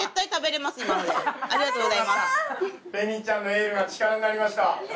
れにちゃんのエールが力になりました。